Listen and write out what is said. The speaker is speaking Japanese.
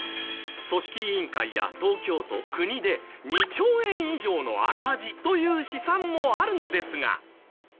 組織委員会や東京都国で２兆円以上の赤字という試算もあるのですが。